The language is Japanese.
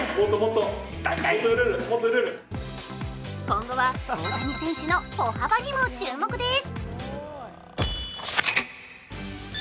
今後は大谷選手の歩幅にも注目です。